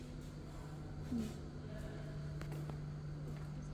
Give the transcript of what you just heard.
Slouží pro snímání jednotlivých políček filmu.